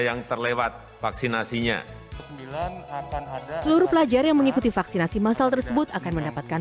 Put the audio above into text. yang terlewat vaksinasinya seluruh pelajar yang mengikuti vaksinasi masal tersebut akan mendapatkan